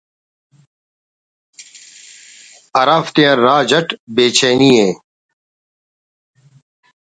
ہرافتیان راج اٹ بے چیٹی